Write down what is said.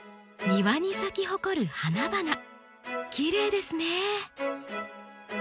庭に咲き誇る花々きれいですね。